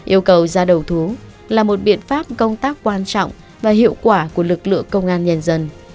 yêu cầu ra đầu thú là một biện pháp công tác quan trọng và hiệu quả của lực lượng